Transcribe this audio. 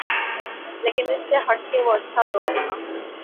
لیکن اس سے ہٹ کے وہ اچھا دور تھا۔